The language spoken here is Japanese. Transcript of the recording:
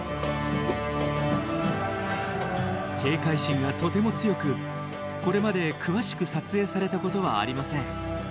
警戒心がとても強くこれまで詳しく撮影されたことはありません。